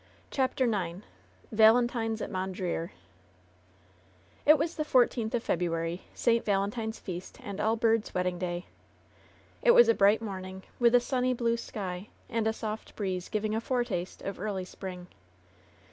CHAPTEE IX VALENTINES AT MONDBEES It was the fourteenth of February, St. Valentine's Feast and All Birds' Wedding Day ! It was a bright morning, with a sunny blue sky, and a soft breeze giving a foretaste of early spring.